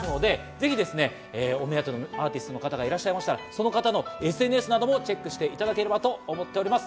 ぜひお目当てのアーティストの方がいらっしゃいましたら、その方のＳＮＳなどもチェックしていただければと思います。